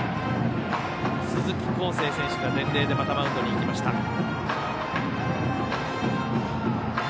鈴木航生選手が伝令でまたマウンドに行きました。